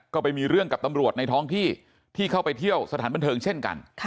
ก็ไปมีเรื่องกับตำรวจในท้องที่ที่เข้าไปเที่ยวสถานบันเทิงเช่นกัน